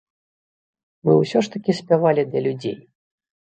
Мы ўсё ж такі спявалі для людзей.